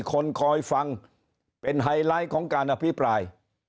คอยฟังเป็นไฮไลท์ของการอภิปราย